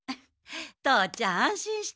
父ちゃん安心して。